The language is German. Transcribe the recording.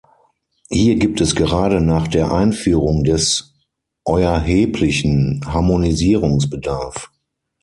Hier gibt es gerade nach der Einführung des Euerheblichen Harmonisierungsbedarf.